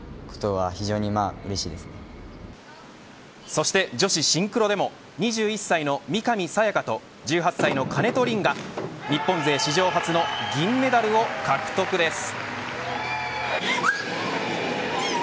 そして女子シンクロでも２１歳の三上紗也可と１８歳の金戸凜が日本勢史上初の銀メダルを獲得です。